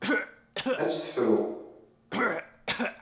Ad tt-tefru.